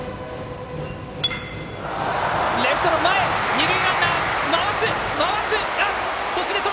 二塁ランナー、回す！